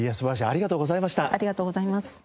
ありがとうございます。